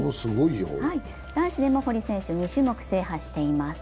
男子でも堀選手、２種目制覇しています。